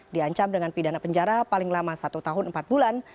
diancam dengan pidana penjara paling lama satu tahun empat bulan